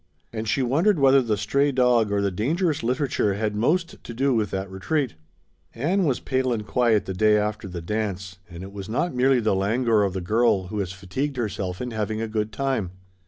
And she wondered whether the stray dog or the dangerous literature had most to do with that retreat. Ann was pale and quiet the day after the dance, and it was not merely the languor of the girl who has fatigued herself in having a good time.